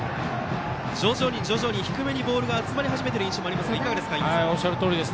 徐々に徐々に低めにボールが集まり始めている印象もありますが、いかがですか印出さん。